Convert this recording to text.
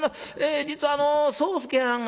実はあの宗助はんが」。